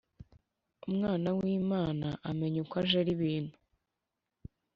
umwana wimana amenya uko ajera ibintu